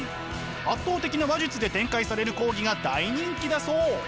圧倒的な話術で展開される講義が大人気だそう。